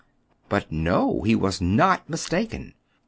But, no ! he was not mistaken.